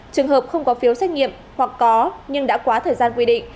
trường hợp không có phiếu xét nghiệm hoặc có nhưng đã quá thời gian quy định